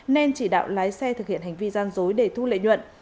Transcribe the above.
nên chỉ đạo lái xe thực hiện hành vi gian dối để thu lợi nhuận